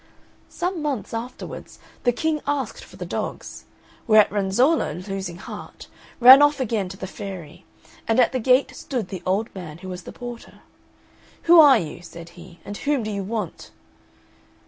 Some months afterwards, the King asked for the dogs; whereat Renzolla, losing heart, ran off again to the fairy, and at the gate stood the old man who was the porter. "Who are you," said he, "and whom do you want?"